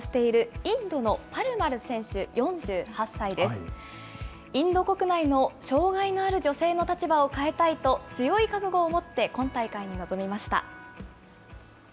インド国内の障害のある女性の立場を変えたいと強い覚悟を持って今大会に臨みました。